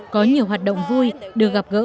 có nhiều hoạt động vui được gặp gỡ